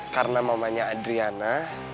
karena mamanya adriana